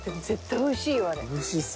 おいしいですよね。